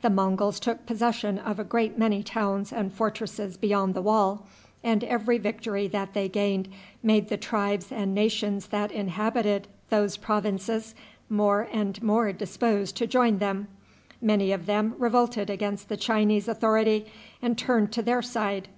The Monguls took possession of a great many towns and fortresses beyond the wall, and every victory that they gained made the tribes and nations that inhabited those provinces more and more disposed to join them. Many of them revolted against the Chinese authority, and turned to their side.